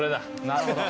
なるほど。